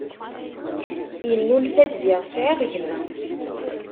Yennulfa-d ziɣ sεiɣ gma.